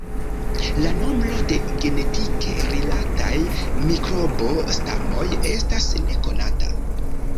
La nombro de genetike rilataj mikrobo-stamoj estas nekonata.